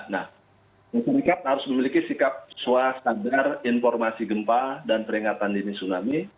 nah masyarakat harus memiliki sikap swastadar informasi gempa dan peringatan dini tsunami